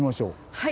はい！